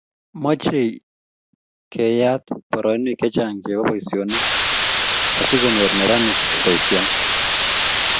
Mochei keyat poroinwek chechang chebo boisionik asikonyor neranik boisionik